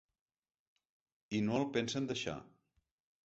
I no el pensen deixar.